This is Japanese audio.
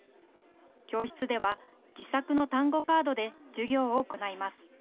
教室では自作の単語カードで授業を行います。